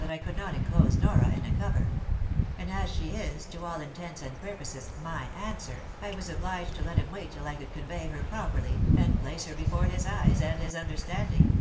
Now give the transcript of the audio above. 47S could not enclose Nora in a cover ; and as she is, to aH intents and purposes, my anmver, I was obliged to let him wait till I could convey her properly, and place her before his eyes and his understanding."